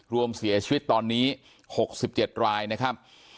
รวมเสียชีวิตตอนนี้๖๗รายนะครับ